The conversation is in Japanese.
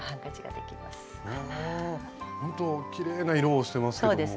ほんときれいな色をしてますけども。